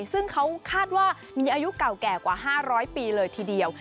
ซึ่งเขาคาดว่ามีอายุเก่าแก่กว่า๕๐๐ปีเลยทีเดียว